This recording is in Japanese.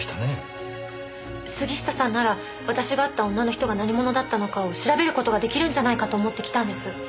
杉下さんなら私が会った女の人が何者だったのかを調べる事ができるんじゃないかと思って来たんです。